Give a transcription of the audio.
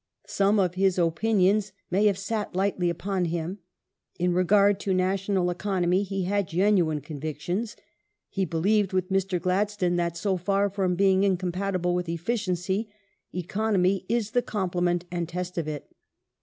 Some of his opinions may have sat lightly upon him ; in regard to national economy he had genuine convictions. He believed, with Mr. Gladstone, that so far from being incompatible with efficiency, economy is the complement and test of it.